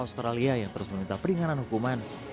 australia yang terus meminta peringanan hukuman